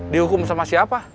dihukum sama siapa